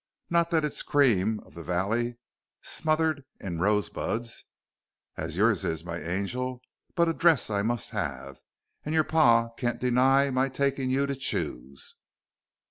Not that it's cream of the valley smother in rosebuds as yours is, my angel, but a dress I must have, and your pa can't deny my taking you to choose."